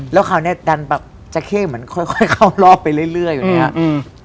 แล้วคราวนี้แจ๊คเก้เหมือนค่อยเข้ารอบไปเรื่อยอยู่เนี่ยครับ